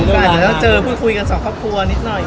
ก็อาจจะต้องเจอพูดคุยกันสำคับครัวนิดหน่อย